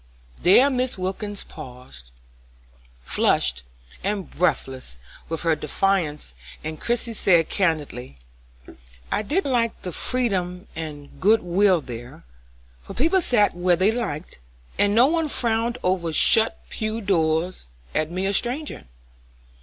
There Mrs. Wilkins paused, flushed and breathless with her defence, and Christie said, candidly: "I did like the freedom and good will there, for people sat where they liked, and no one frowned over shut pew doors, at me a stranger.